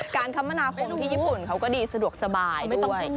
การเข้ามณาของที่ญี่ปุ่นเขาก็สะดวกสบายด้วย